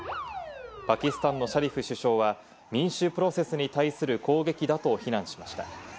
パキスタンのシャリフ首相は、民主プロセスに対する攻撃だと非難しました。